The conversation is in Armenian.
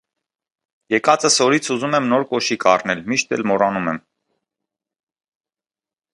- Եկածս օրից ուզում եմ նոր կոշիկ առնել, միշտ էլ մոռանում եմ: